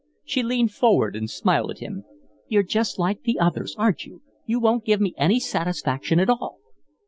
She leaned forward and smiled at him. "You're just like the others, aren't you? You won't give me any satisfaction at all."